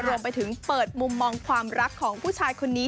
รวมไปถึงเปิดมุมมองความรักของผู้ชายคนนี้